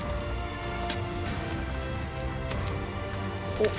「おっ！